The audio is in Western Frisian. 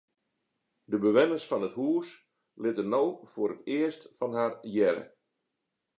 De bewenners fan it hús litte no foar it earst fan har hearre.